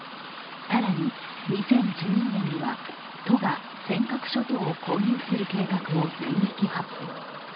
更に、２０１２年には都が尖閣諸島を購入する計画を電撃発表。